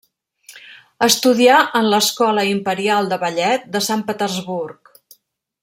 Estudià en l'Escola Imperial de Ballet de Sant Petersburg.